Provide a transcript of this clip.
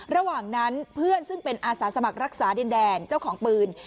ระหว่างนั้นเพื่อนซึ่งเป็นอาสาสมัครรักษาดินแดนเจ้าของปืน